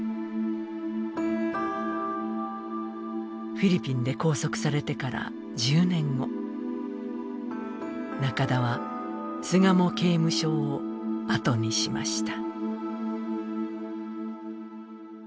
フィリピンで拘束されてから１０年後中田は巣鴨刑務所を後にしました。